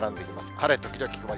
晴れ時々曇り。